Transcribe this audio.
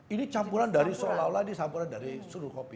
ini campuran dari seolah olah ini campuran dari suruh kopi